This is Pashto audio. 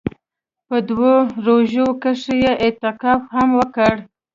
په دوو روژو کښې يې اعتکاف هم وکړ.